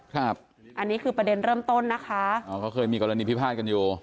ครับอันนี้คือประเด็นเริ่มต้นนะคะอ๋อเขาเคยมีกรณีพิพาทกันอยู่